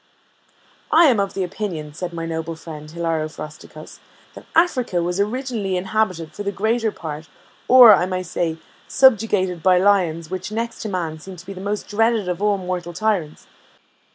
"I am of opinion," said my noble friend, Hilaro Frosticos, "that Africa was originally inhabited for the greater part, or, I may say, subjugated by lions which, next to man, seem to be the most dreaded of all mortal tyrants.